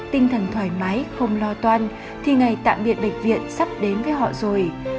tinh thần thoải mái không lo toan thì ngày tạm biệt bệnh viện sắp đến với họ rồi